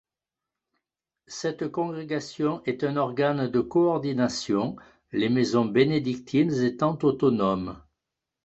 Cette congrégation est un organe de coordination, les maisons bénédictines étant autonomes.